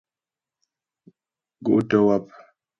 Gó' tə́ wáp.